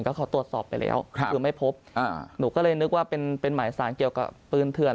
ก็เขาตรวจสอบไปแล้วคือไม่พบหนูก็เลยนึกว่าเป็นเป็นหมายสารเกี่ยวกับปืนเถื่อน